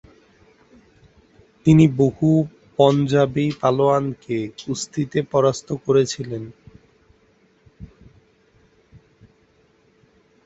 তিনি বহু পঞ্জাবী পালোয়ানকে কুস্তিতে পরাস্ত করেছিলেন।